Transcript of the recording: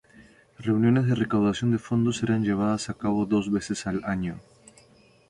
Reuniones de recaudación de fondos eran llevadas a cabo dos veces al año.